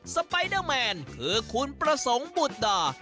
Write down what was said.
ไปเดอร์แมนคือคุณประสงค์บุตรดา